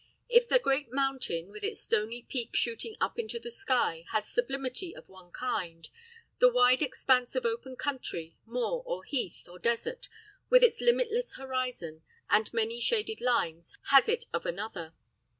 If the great mountain, with its stony peak shooting up into the sky, has sublimity of one kind, the wide expanse of open country, moor, or heath, or desert, with its limitless horizon and many shaded lines, has it of another.